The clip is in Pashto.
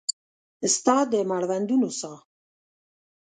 ستا د مړوندونو ساه